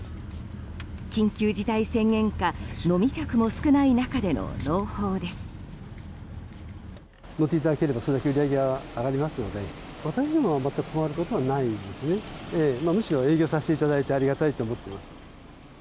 緊急事態宣言下飲み客も少ない中での朗報です。